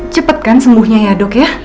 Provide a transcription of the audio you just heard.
cepat kan sembuhnya ya dok ya